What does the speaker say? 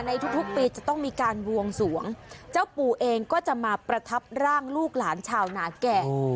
ในทุกทุกปีจะต้องมีการบวงสวงเจ้าปู่เองก็จะมาประทับร่างลูกหลานชาวนาแก่